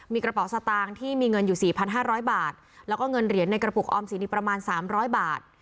มีกระเป๋าสตางค์ที่มีเงินอยู่๔๕๐๐บาทแล้วก็เงินเหรียญในกระปุกออมสินอีกประมาณ๓๐๐บาท